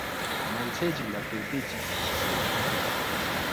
ملسے چِک لہ طوطے چِک شِسے یودسُوک